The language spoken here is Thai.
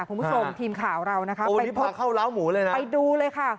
คุณผู้ชมทีมข่าวเรานะคะไปพบเข้าล้าวหมูเลยนะไปดูเลยค่ะ